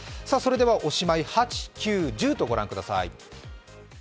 おしまい８、９、１０と御覧ください。